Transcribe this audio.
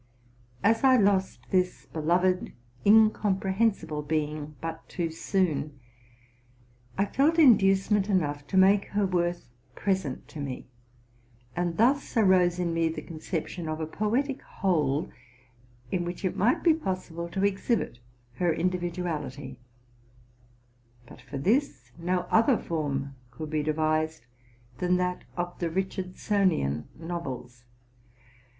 As I lost this beloved, incomprehensible being but too soon, I felt inducement enough to make her worth present to me: and thus arose in me the conception of a poetic whole, in which it might be possible to exhibit her individuality ; but for this no other form could be devised than that of the RELATING TO MY LIFE. 189 Richardsonian noyels.